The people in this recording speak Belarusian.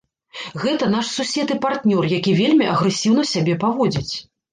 Гэта наш сусед і партнёр, які вельмі агрэсіўна сябе паводзіць.